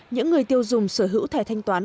những người tiêu dùng sở hữu thẻ thanh toán